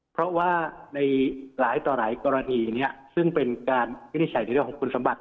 เพราะว่าในหลายต่อหลายกรณีนี้ซึ่งเป็นการวิทยาศิลป์เรียกว่าคุณสมบัติ